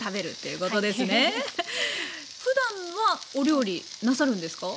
ふだんはお料理なさるんですか？